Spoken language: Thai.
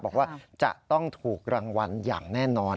บอกว่าจะต้องถูกรางวัลอย่างแน่นอน